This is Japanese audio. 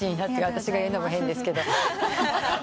私が言うのも変ですけど。